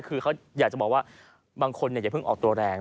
คือเขาอยากจะบอกว่าบางคนอย่าเพิ่งออกตัวแรง